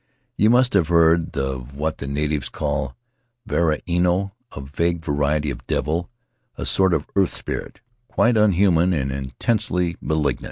You must have heard of what the natives call varua ino — a vague variety of devil, a sort of earth spirit, quite unhuman and intensely malignant.